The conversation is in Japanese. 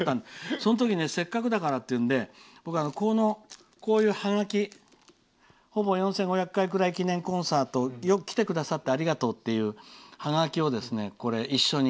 そのとき、せっかくだから僕は、こういうはがき「ほぼ４５００回ぐらい記念コンサート」よく来てくださってありがとうってはがきを一緒に。